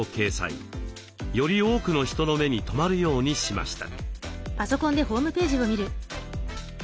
より多くの人の目に留まるようにしました。